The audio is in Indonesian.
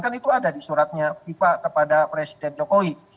kan itu ada di suratnya viva kepada presiden jokowi